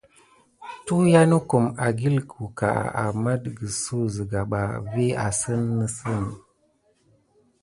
Tuyiya nokum ekikucka aman tikisuk siga ɓa vi asine nesine.